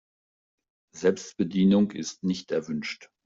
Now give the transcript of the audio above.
Selbstbedienung ist nicht erwünscht.